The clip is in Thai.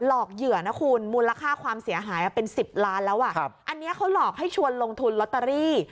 เหยื่อนะคุณมูลค่าความเสียหายเป็น๑๐ล้านแล้วอ่ะอันนี้เขาหลอกให้ชวนลงทุนลอตเตอรี่